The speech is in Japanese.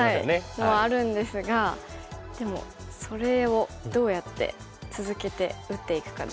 もあるんですがでもそれをどうやって続けて打っていくかですよね。